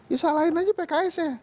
ya salahin aja pks nya